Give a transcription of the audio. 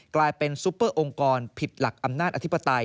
กลายเป็นซุปเปอร์องค์กรผิดหลักอำนาจอธิปไตย